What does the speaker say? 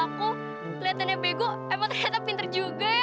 aku keliatannya begu emang ternyata pinter juga ya